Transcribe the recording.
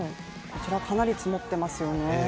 こちらかなり積もってますよね。